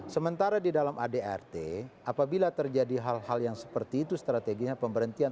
sementara di dalam adrt apabila terjadi hal hal yang seperti itu strateginya pemberhentian